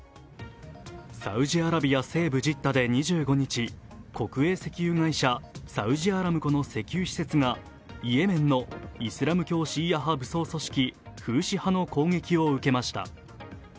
サウジアラビア西部ジッダで２５日国営石油会社サウジアラムコの石油施設がイエメンのイスラム教シーア派武装組織・フーシ派の攻撃を受けました。